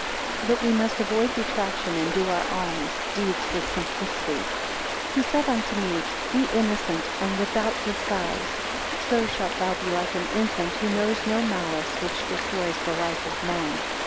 That we must avoid detraction, and do our alms deeds with simplicity. HE said unto me, Be innocent and without disguise; so shalt thou be like an infant who knows no malice which destroys the life of man.